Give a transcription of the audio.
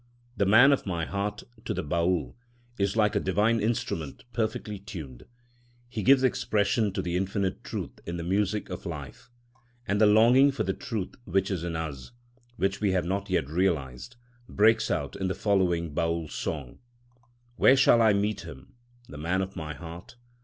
"The Man of my Heart," to the Baül, is like a divine instrument perfectly tuned. He gives expression to infinite truth in the music of life. And the longing for the truth which is in us, which we have not yet realised, breaks out in the following Baül song: Where shall I meet him, the Man of my Heart?